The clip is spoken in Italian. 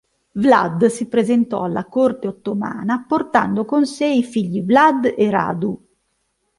Vlad si presentò alla corte ottomana portando con sé i figli Vlad e Radu.